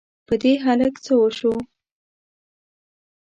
په دې هلک څه وشوو؟!